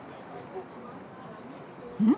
うん？